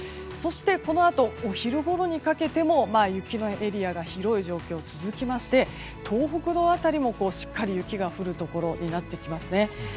そして、このあとお昼ごろにかけても雪のエリアが広い状況続きまして東北道辺りもしっかり雪が降るところになってきますね。